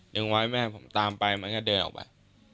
ยังไว้ไม่ให้ผมตามไปมันก็เดินออกไป